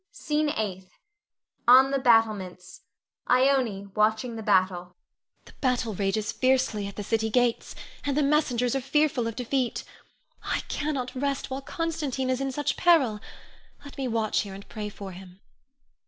SCENE EIGHTH. [On the battlements. Ione, watching the battle.] Ione. The battle rages fiercely at the city gates, and the messengers are fearful of defeat. I cannot rest while Constantine is in such peril. Let me watch here and pray for him.